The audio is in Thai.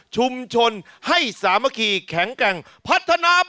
สวัสดีครับ